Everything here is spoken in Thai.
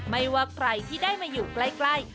ไม่ว่าใครที่ได้มาอยู่ใกล้